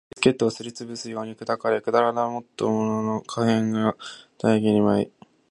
体の先がビスケットをすり潰すように砕かれ、体だったものの破片が大気に舞い